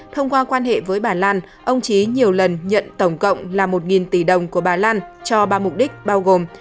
thông qua quan hệ với bà lan ông trí nhiều lần nhận tổng cộng là một tỷ đồng của bà lan cho ba mục đích bao gồm